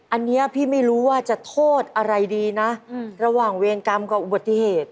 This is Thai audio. อันนี้พี่ไม่รู้ว่าจะโทษอะไรดีนะระหว่างเวรกรรมกับอุบัติเหตุ